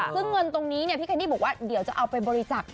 ซึ่งเงินตรงนี้พี่แคนดี้บอกว่าเดี๋ยวจะเอาไปบริจักษ์